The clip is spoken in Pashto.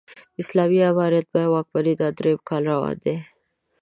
د اسلامي امارت د بيا واکمنۍ دا درېيم کال روان دی